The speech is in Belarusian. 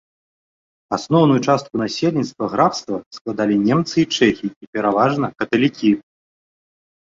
Асноўную частку насельніцтва графства складалі немцы і чэхі, пераважна каталікі.